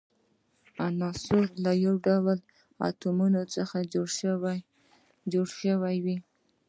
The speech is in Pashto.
عنصر له یو ډول اتومونو څخه جوړ شوی وي.